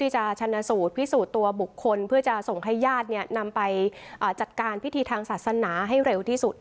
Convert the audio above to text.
จะชนะสูตรพิสูจน์ตัวบุคคลเพื่อจะส่งให้ญาตินำไปจัดการพิธีทางศาสนาให้เร็วที่สุด